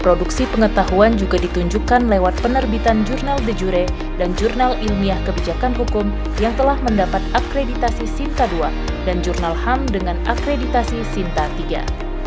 produksi pengetahuan juga ditunjukkan lewat penerbitan jurnal de jure dan jurnal ilmiah kebijakan hukum yang telah mendapat akreditasi sinta ii dan jurnal ham dengan akreditasi sinta iii